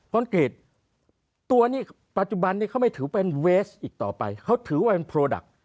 อนกรีตตัวนี้ปัจจุบันนี้เขาไม่ถือเป็นเวสอีกต่อไปเขาถือว่าเป็นโปรดักต์